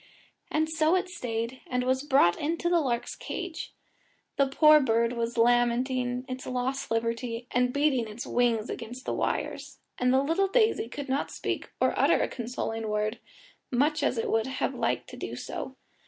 And so it stayed, and was brought into the lark's cage. The poor bird was lamenting its lost liberty, and beating its wings against the wires; and the little daisy could not speak or utter a consoling word, much as it would have liked to do so.